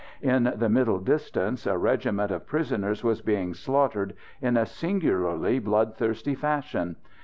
In the middle distance a regiment of prisoners was being slaughtered in a singularly bloodthirsty fashion.